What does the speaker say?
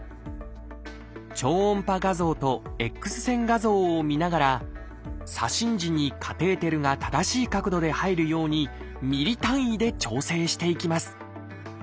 超音波画像とエックス線画像を見ながら左心耳にカテーテルが正しい角度で入るようにミリ単位で調整していきます。